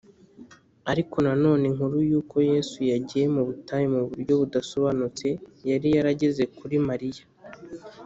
Ariko na none inkuru yuko Yesu yagiye mu butayu mu buryo budasobanutse yari yarageze kuri Mariya